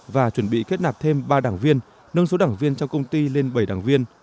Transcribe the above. và chuẩn bị kết nạp thêm ba đảng viên nâng số đảng viên trong công ty lên bảy đảng viên